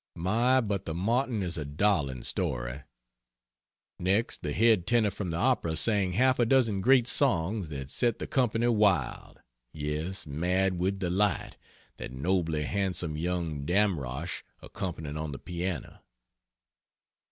My, but the Martin is a darling story! Next, the head tenor from the Opera sang half a dozen great songs that set the company wild, yes, mad with delight, that nobly handsome young Damrosch accompanying on the piano.